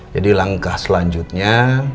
jadi langkah selanjutnya